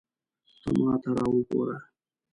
ته ماته را وګوره